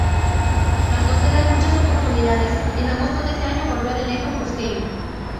Tras no tener muchas oportunidades, en agosto de ese año volvió al elenco cuzqueño.